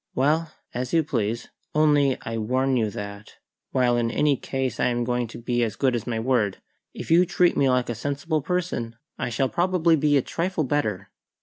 Well, as you please; only I warn you that, while in any case I am going to be as good as my word, if you treat me like a sensible person I shall probably be a trifle better."